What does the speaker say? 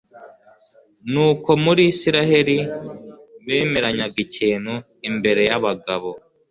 ni uko muri israheli bemeranyaga ikintu imbere y'abagabo